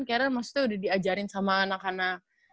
karena maksudnya udah diajarin sama anak anak